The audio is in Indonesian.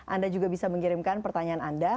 anda juga bisa mengirimkan pertanyaan anda